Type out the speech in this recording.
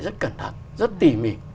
rất cẩn thận rất tỉ mỉ